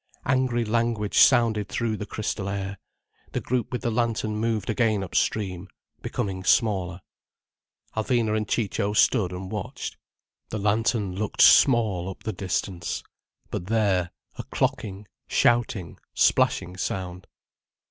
Angry language sounded through the crystal air. The group with the lantern moved again upstream, becoming smaller. Alvina and Ciccio stood and watched. The lantern looked small up the distance. But there—a clocking, shouting, splashing sound.